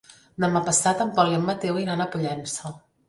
Demà passat en Pol i en Mateu iran a Pollença.